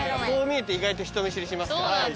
こう見えて意外と人見知りしますから。